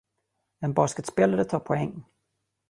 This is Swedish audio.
En basketspelare tar poäng.